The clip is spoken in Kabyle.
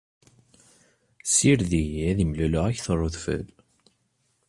Ssired-iyi, ad imluleɣ akter n udfel.